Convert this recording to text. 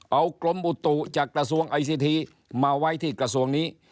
เอากรมอุตุจากกระทรวงไอซีทีมาไว้ที่กระทรวงนี้